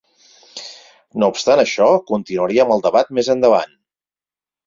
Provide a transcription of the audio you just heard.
No obstant això, continuaria amb el debat més endavant.